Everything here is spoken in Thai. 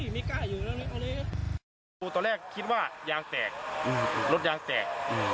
ตอนแรกคิดว่ายางแตกรถยางแตก